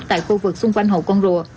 tại khu vực xung quanh hồ công rùa